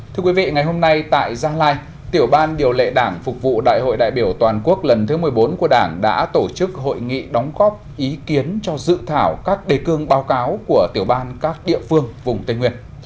thưa quý vị ngày hôm nay tại gia lai tiểu ban điều lệ đảng phục vụ đại hội đại biểu toàn quốc lần thứ một mươi bốn của đảng đã tổ chức hội nghị đóng góp ý kiến cho dự thảo các đề cương báo cáo của tiểu ban các địa phương vùng tây nguyên